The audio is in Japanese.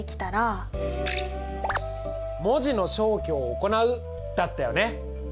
文字の消去を行う！だったよね。